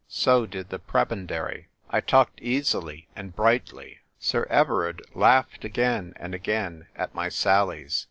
So did the prebendary ; I talked easily and brightly. Sir Everard laughed again and again at my sallies.